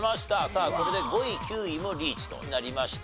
さあこれで５位９位もリーチとなりました。